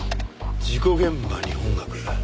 事故現場に音楽。